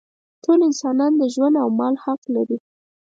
ټول انسانان د ژوند او مال حق لري.